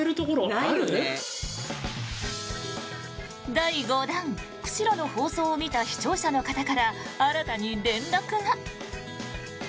第５弾、釧路の放送を見た視聴者の方から新たに連絡が。